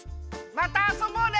またあそぼうね！